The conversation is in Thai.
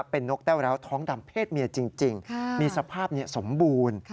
เป็นนกแต้วร้าวท้องดำเพศเมียจริงมีสภาพสมบูรณ์